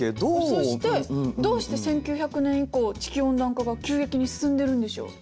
そしてどうして１９００年以降地球温暖化が急激に進んでるんでしょう？